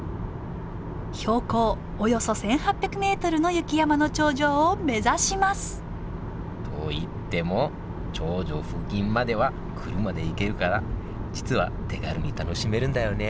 標高およそ１，８００ｍの雪山の頂上を目指しますといっても頂上付近までは車で行けるから実は手軽に楽しめるんだよね